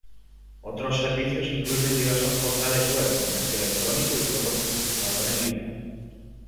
Otros servicios incluyen diversos portales web, comercio electrónico, y juegos multijugador en línea.